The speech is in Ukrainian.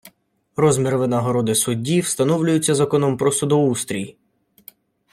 Розмір винагороди судді встановлюється законом про судоустрій.